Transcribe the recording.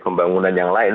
di pembangunan yang lain